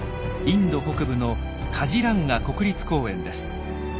インド北部のカジランガ国立公園です。